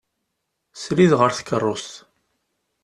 Srid ɣer tkerrust.